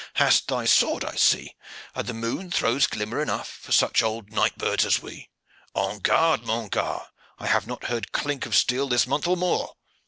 Hast thy sword, I see, and the moon throws glimmer enough for such old night birds as we. On guard, mon gar.! I have not heard clink of steel this month or more."